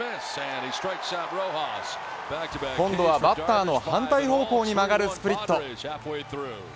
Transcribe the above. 今度はバッターの反対方向に曲がるスプリット。